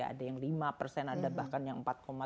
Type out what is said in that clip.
ada yang lima ada bahkan yang empat tujuh empat sembilan